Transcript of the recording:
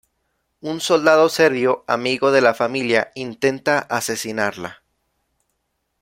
Un soldado serbio, amigo de la familia, intenta asesinarla.